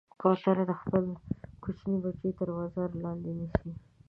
کوتره خپل کوچني بچي تر وزر لاندې نیسي.